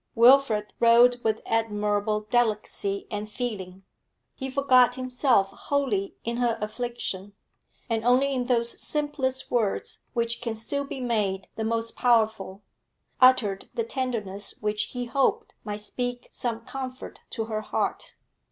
Wilfrid wrote with admirable delicacy and feeling; he forgot himself wholly in her affliction, and only in those simplest words which can still be made the most powerful uttered the tenderness which he hoped might speak some comfort to her heart.